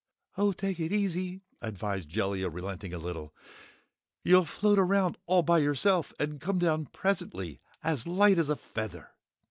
"Oh, take it easy!" advised Jellia, relenting a little, "You'll float around all by yourself and come down presently, as light as a feather.